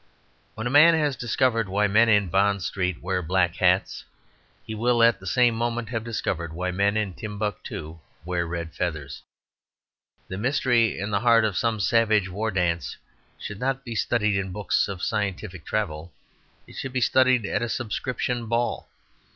When a man has discovered why men in Bond Street wear black hats he will at the same moment have discovered why men in Timbuctoo wear red feathers. The mystery in the heart of some savage war dance should not be studied in books of scientific travel; it should be studied at a subscription ball.